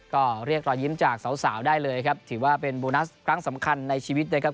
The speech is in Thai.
ก็เรียกรอยยิ้มจากสาวได้เลยครับถือว่าเป็นโบนัสครั้งสำคัญในชีวิตนะครับ